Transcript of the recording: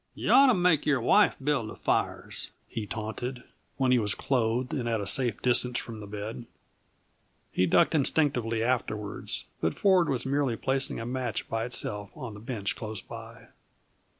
"Y' ought to make your wife build the fires," he taunted, when he was clothed and at a safe distance from the bed. He ducked instinctively afterwards, but Ford was merely placing a match by itself on the bench close by.